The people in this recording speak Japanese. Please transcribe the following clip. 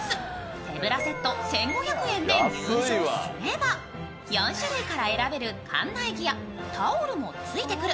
手ぶらセット１５００円で入場すれば４種類から選べる館内着やタオルもついてくる。